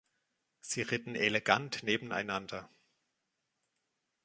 Sie ritten elegant nebeneinander.